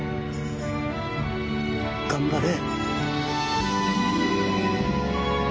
頑張れ。